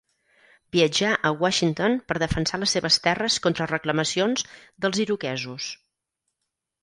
Viatjà a Washington per defensar les seves terres contra reclamacions dels iroquesos.